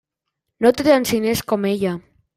No té tants diners com ella.